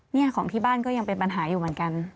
เนี่ยของที่บ้านก็ยังเป็นปัญหาอยู่เหมือนกัน